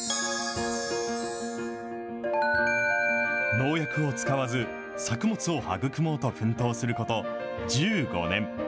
農薬を使わず、作物を育もうと奮闘すること１５年。